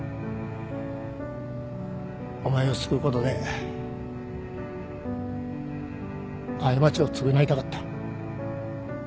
お前を救うことで過ちを償いたかった。